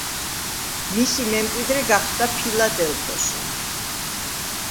მისი მემკვიდრე გახდა ფილადელფოსი.